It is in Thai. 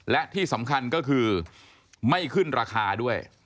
และที่สำคัญก็คือไม่ขึ้นราคาด้วย